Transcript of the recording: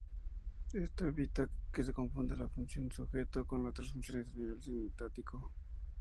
Esto evita que se confunda la función sujeto con otras funciones a nivel sintáctico.